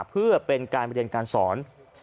เพื่อเป็นการเรียนการสอน